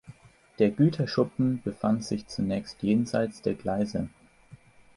Der Güterschuppen befand sich zunächst jenseits der Gleise.